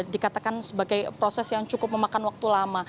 dikatakan sebagai proses yang cukup memakan waktu lama